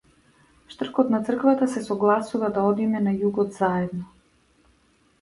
Штркот на црквата се согласува да одиме на југот заедно.